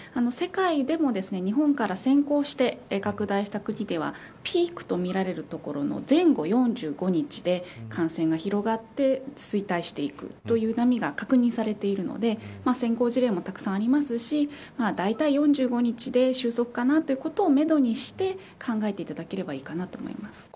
世界でも日本から先行して拡大した国ではピークとみられるところの前後４５日で感染が広がって衰退していくという波が確認されているので先行事例もたくさんありますしだいたい、４５日で収束かなということをめどにして考えていただければいいかなと思います。